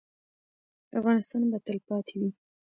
افغانستان به تلپاتې وي؟